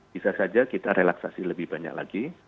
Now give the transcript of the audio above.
bisa saja kita relaksasi lebih banyak lagi